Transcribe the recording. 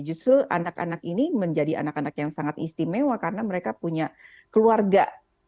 justru anak anak ini menjadi anak anak yang sangat istimewa karena mereka punya keluarga